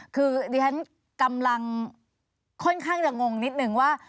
คือดิฉันกำลังค่อนข้างจะงงนิดนึงว่า